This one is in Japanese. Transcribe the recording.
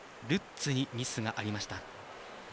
ルッツにミスがありました。